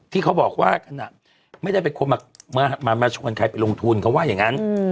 ที่เขาบอกว่าไม่ได้เป็นคนมาชวนใครไปลงทุนเขาว่าอย่างนั้น